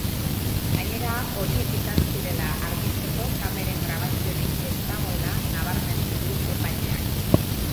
Gainera, horiek izan zirela argitzeko kameren grabaziorik ez dagoela nabarmendu du epaileak.